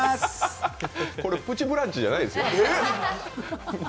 これ「プチブランチ」じゃないんですよ。